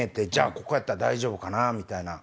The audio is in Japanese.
ここやったら大丈夫かなみたいな。